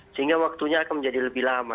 sehingga waktunya akan menjadi lebih lama